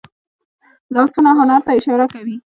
لاسونه هنر ته اشاره کوي